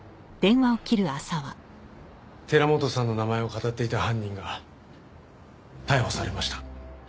寺本さんの名前をかたっていた犯人が逮捕されました。